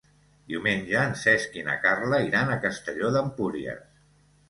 Diumenge en Cesc i na Carla iran a Castelló d'Empúries.